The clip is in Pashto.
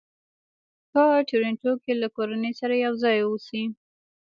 په ټورنټو کې له کورنۍ سره یو ځای اوسي.